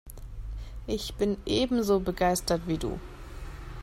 Ich bin ebenso begeistert wie du.